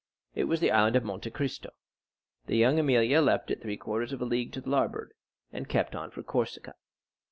It was the Island of Monte Cristo. La Jeune Amélie left it three quarters of a league to the larboard and kept on for Corsica.